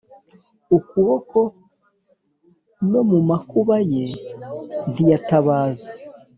ukuboko No mu makuba ye ntiyatabaza